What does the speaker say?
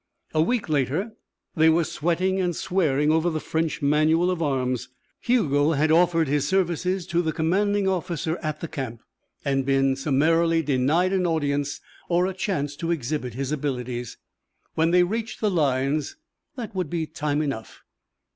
A week later they were sweating and swearing over the French manual of arms. Hugo had offered his services to the commanding officer at the camp and been summarily denied an audience or a chance to exhibit his abilities. When they reached the lines that would be time enough.